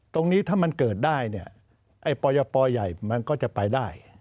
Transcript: ตรงนี้ถ้ามันเกิดได้ปอยปรใหญ่มันก็จะไปได้